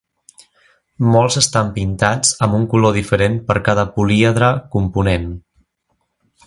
Molts estan pintats amb un color diferent per cada políedre component.